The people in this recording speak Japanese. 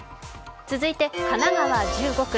続いて神奈川１５区。